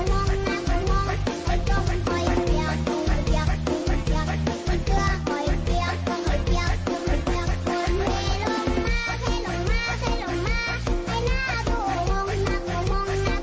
โอ้โหแห่นางแมวนางหมาเดินมาข้างด้วย